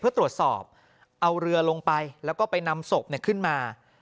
เพื่อตรวจสอบเอาเรือลงไปแล้วก็ไปนำศพขึ้นมา